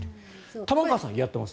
玉川さん、やってます？